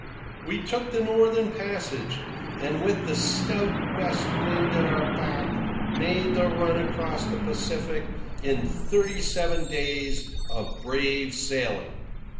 We took the northern passage, and with the stout west wind at our back made the run across the Pacific in thirty seven days of brave sailing.